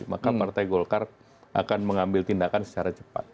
maka partai golkar akan mengambil tindakan secara cepat